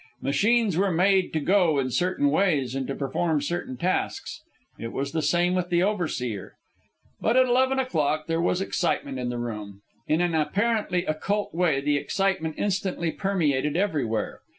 Machines were made to go in certain ways and to perform certain tasks. It was the same with the overseer. But at eleven o'clock there was excitement in the room. In an apparently occult way the excitement instantly permeated everywhere.